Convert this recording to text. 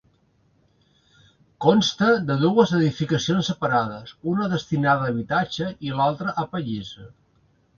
Consta de dues edificacions separades, una destinada a habitatge, i l'altra a pallissa.